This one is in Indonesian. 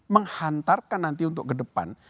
menghantarkan nanti untuk ke depan